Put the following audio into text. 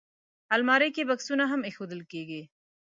الماري کې بکسونه هم ایښودل کېږي